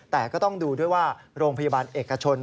แต่ก็ต้องดูด้วยว่าโรงพยาบาลเอกชน